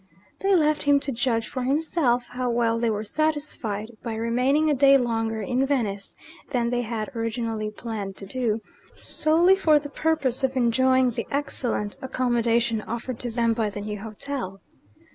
They left him to judge for himself how well they were satisfied, by remaining a day longer in Venice than they had originally planned to do, solely for the purpose of enjoying the excellent accommodation offered to them by the new hotel.